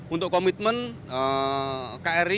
untuk kejadian ini kita harus mencari kemampuan